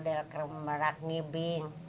ke la keluma raknibing